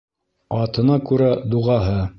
Атына күрә дуғаһы